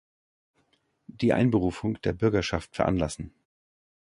Die Einberufung der Bürgerschaft veranlassen.